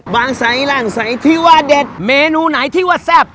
ใสร่างใสที่ว่าเด็ดเมนูไหนที่ว่าแซ่บ